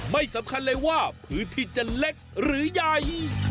สำคัญเลยว่าพื้นที่จะเล็กหรือใหญ่